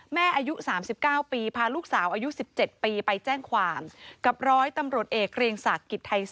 อายุ๓๙ปีพาลูกสาวอายุ๑๗ปีไปแจ้งความกับร้อยตำรวจเอกเกรียงศักดิ์กิจไทย๒